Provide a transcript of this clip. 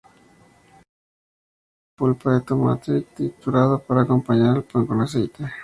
Es muy popular la pulpa de tomate triturado para acompañar al pan con aceite.